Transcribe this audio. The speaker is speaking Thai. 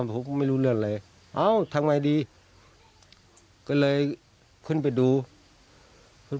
ประโยชน์อารมณ์ด้วยส่วนตั้งจำนวนหารสมบูรณ์